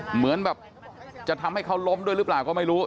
เหมือนแบบจะทำให้เขาล้มด้วยหรือเปล่าก็ไม่รู้